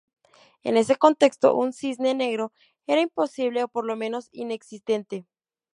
En ese contexto, un cisne negro era imposible o por lo menos inexistente.